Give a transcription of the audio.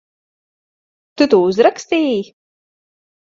Tu to uzrakstīji?